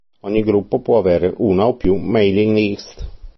Ogni gruppo può avere una o più mailing list.